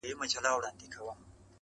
ماتيږي چي بنگړي، ستا په لمن کي جنانه_